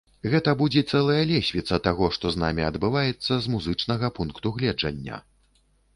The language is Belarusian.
Гэта будзе цэлая лесвіца таго, што з намі адбываецца з музычнага пункту гледжання!